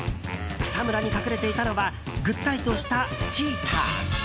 草むらに隠れていたのはぐったりとしたチーター。